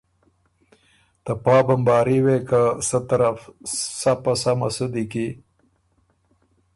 ته پا بمباري وې که سۀ طرف سۀ پسۀ مسُودی کی